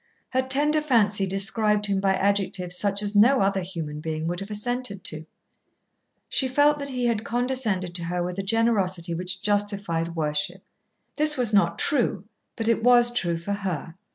Her tender fancy described him by adjectives such as no other human being would have assented to. She felt that he had condescended to her with a generosity which justified worship. This was not true, but it was true for her.